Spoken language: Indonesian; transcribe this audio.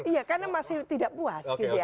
iya karena masih tidak puas